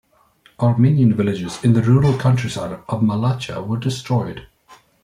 Armenian villages in the rural countryside of Malatya were destroyed.